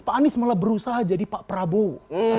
pak anies malah berusaha jadi pak prabowo